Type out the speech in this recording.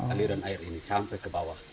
aliran air ini sampai ke bawah